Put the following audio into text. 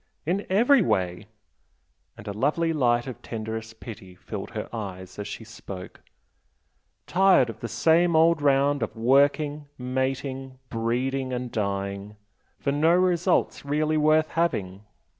"In every way!" and a lovely light of tenderest pity filled her eyes as she spoke "Tired of the same old round of working, mating, breeding and dying for no results really worth having!